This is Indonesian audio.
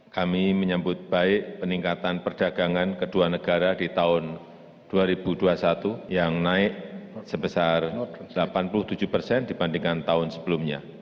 kami menyambut baik peningkatan perdagangan kedua negara di tahun dua ribu dua puluh satu yang naik sebesar delapan puluh tujuh persen dibandingkan tahun sebelumnya